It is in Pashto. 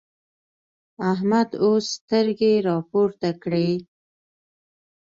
احمد اوس سترګې راپورته کړې.